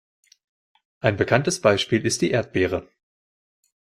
Ein bekanntes Beispiel ist die Erdbeere.